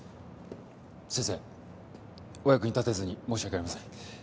先生お役に立てずに申し訳ありません。